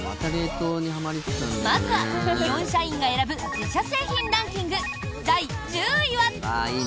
まずは、イオン社員が選ぶ自社製品ランキング第１０位は。